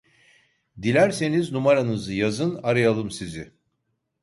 Dilerseniz numaranızı yazın arayalım sizi